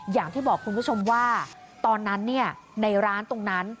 อย่างที่บอกคุณผู้ชมว่าตอนนั้นในร้านตรงนั้น